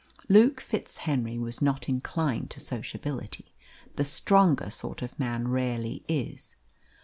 Luke FitzHenry was not inclined to sociability the stronger sort of man rarely is.